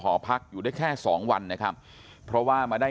ตรของหอพักที่อยู่ในเหตุการณ์เมื่อวานนี้ตอนค่ำบอกให้ช่วยเรียกตำรวจให้หน่อย